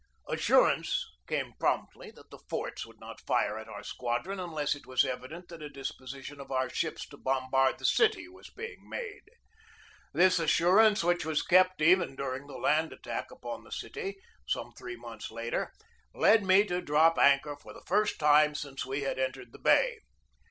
Assurance came promptly that the forts would not fire at our squadron unless it was evident that a disposition of our ships to bombard the city was being made. This assurance, which was kept even during the land attack upon the city, some three months later, led me to drop anchor for the first time since we had entered the bay.